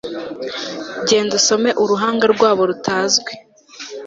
Genda usome uruhanga rwabo rutazwi